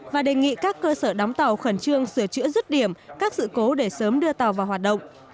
và đề nghị các cơ sở đóng tàu khẩn trương sửa chữa rứt điểm các sự cố để sớm đưa tàu vào hoạt động